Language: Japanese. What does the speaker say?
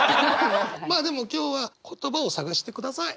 まあでも今日は言葉を探してください。